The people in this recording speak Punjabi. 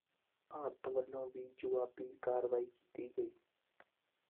ਭਾਰਤ ਵਲੋਂ ਵੀ ਜੁਆਬੀ ਕਾਰਵਾਈ ਕੀਤੀ ਗਈ